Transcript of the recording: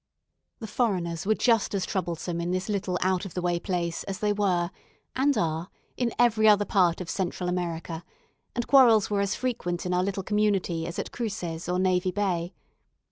The foreigners were just as troublesome in this little out of the way place as they were, and are, in every other part of Central America; and quarrels were as frequent in our little community as at Cruces or Navy Bay.